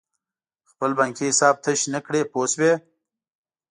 خپل بانکي حساب تش نه کړې پوه شوې!.